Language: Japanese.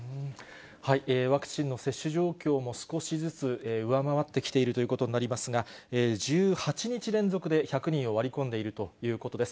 ワクチンの接種状況も少しずつ上回ってきているということになりますが、１８日連続で１００人を割り込んでいるということです。